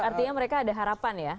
artinya mereka ada harapan ya